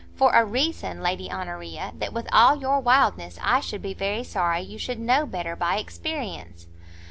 "For a reason, Lady Honoria, that with all your wildness, I should be very sorry you should know better by experience."